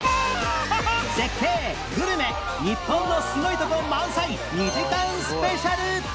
絶景グルメ日本のすごいとこ満載２時間スペシャル！